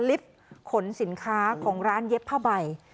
ขนสินค้าของร้านเย็บผ้าใบ